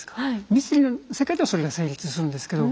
ミステリーの世界ではそれが成立するんですけど。